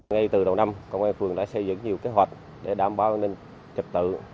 ngay từ đầu năm công an phường đã xây dựng nhiều kế hoạch để đảm bảo an ninh trật tự